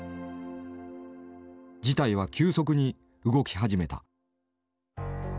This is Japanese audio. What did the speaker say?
事態は急速に動き始めた。